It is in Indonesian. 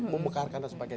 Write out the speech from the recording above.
memekarkan dan sebagainya